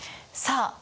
さあ